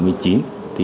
thì hiện nay